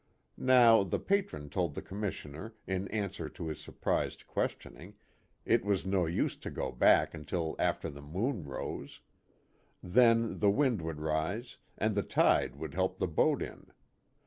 Now, the Patron told the Commissioner, in answer to his surprised questioning, it was no use to go back until after the moon rose ; then, the wind would rise, and the tide would help the boat in.